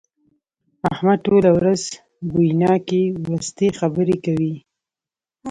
احمد ټوله ورځ بويناکې ورستې خبرې کوي.